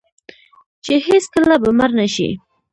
چې هیڅکله به مړ نشي.